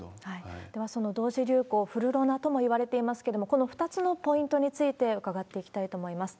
では、その同時流行、フルロナともいわれていますけれども、この２つのポイントについて伺っていきたいと思います。